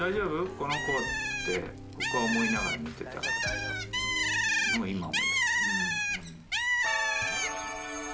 この子って、僕は思いながら見てたのを、今、思い出しました。